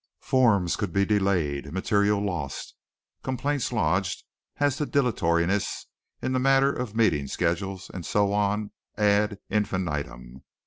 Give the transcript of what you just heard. Forms could be delayed, material lost, complaints lodged as to dilatoriness in the matter of meeting schedules, and so on, ad infinitum.